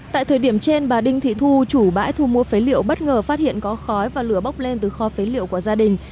tại thời điểm trên bà đinh thị thu chủ bãi thu mua phế liệu bất ngờ phát hiện có khói và lửa bốc lên từ kho phế liệu của gia đình